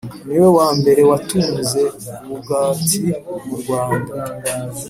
niwe wambere watunze bugatti mu Rwanda